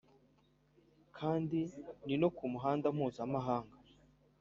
kandi ni no ku muhanda mpuzamahanga